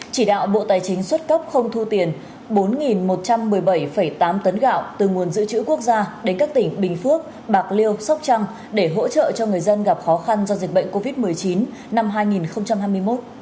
chỉ đạo bộ tài chính xuất cấp không thu tiền bốn một trăm một mươi bảy tám tấn gạo từ nguồn dự trữ quốc gia đến các tỉnh bình phước bạc liêu sóc trăng để hỗ trợ cho người dân gặp khó khăn do dịch bệnh covid một mươi chín năm hai nghìn hai mươi một